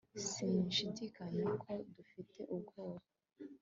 sinshidikanya ko ufite ubwoba